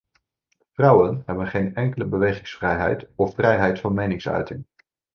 Vrouwen hebben geen enkele bewegingsvrijheid of vrijheid van meningsuiting.